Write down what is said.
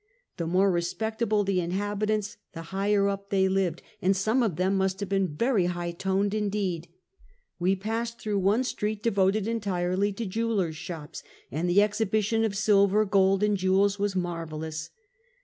The more respectable the inhabitants, the higher up they lived, SKETCHES OF TRAVEL and some of them must have been very high toned indeed. We passed through one street devoted entirely to jewelers' shops, and the exhibition of silver, gold and jewels was marvelous.